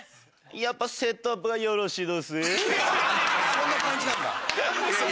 そんな感じなんだ。